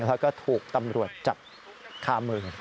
แล้วก็ถูกตำรวจจับคามือ